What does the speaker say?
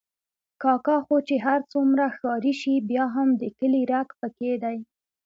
کاکا خو چې هر څومره ښاري شي، بیا هم د کلي رګ پکې دی.